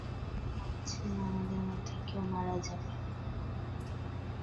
উনি বলেছিলেন, আমাদের মধ্যে কেউ মারা যাবে!